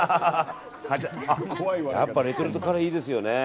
やっぱりレトルトカレーいいですよね。